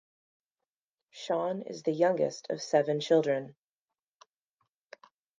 Seann is the youngest of seven children.